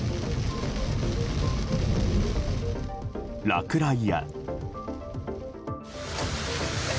落雷や。